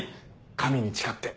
神に誓って。